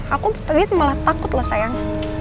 aku tadi malah takut loh sayang